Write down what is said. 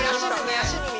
足踏み